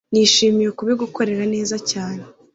nishimiye kubigukorera neza cyane